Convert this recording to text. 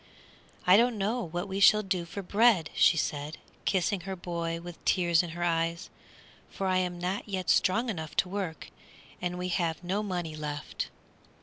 "I don't know what we shall do for bread," she said, kissing her boy with tears in her eyes, "for I am not yet strong enough to work, and we have no money left."